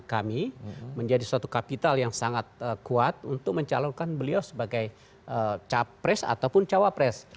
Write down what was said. kami menjadi suatu kapital yang sangat kuat untuk mencalonkan beliau sebagai capres ataupun cawapres